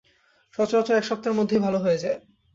সচরাচর এক সপ্তাহের মধ্যেই ভাল হয়ে যায়।